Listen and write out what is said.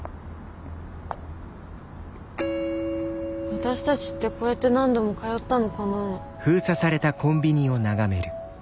私たちってこうやって何度も通ったのかな？